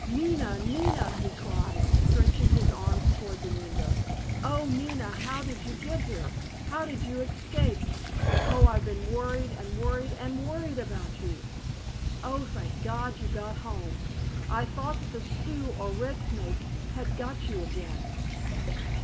"Nina, Nina," he cried stretching his arms toward the window, "oh, Nina, how did you get here? How did you escape? Oh, I've worried and worried and worried about you! Oh, thank God, you got home! I thought that the Sioux or Red Snake had got you again!"